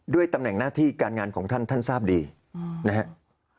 ตำแหน่งหน้าที่การงานของท่านท่านทราบดีนะครับ